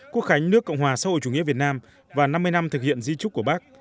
quốc khánh nước cộng hòa xã hội chủ nghĩa việt nam và năm mươi năm thực hiện di trúc của bác